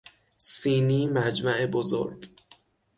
سینی مجمع بزرگ